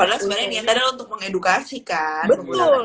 karena sebenernya niatnya untuk mengedukasikan